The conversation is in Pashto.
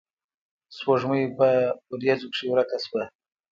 سپوږمۍ پۀ وريځو کښې ورکه شوه